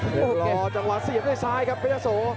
เดี๋ยวรอจังหวะเสียบด้วยซ้ายครับพระเจ้าโส